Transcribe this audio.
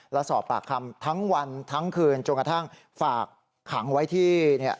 และสอบปากคำทั้งวันทั้งคืนจนกระทั่งฝากขังไว้ที่เนี่ย